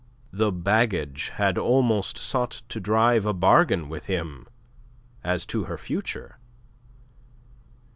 The baggage had almost sought to drive a bargain with him as to her future.